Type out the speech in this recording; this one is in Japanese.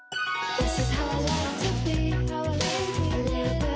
よし！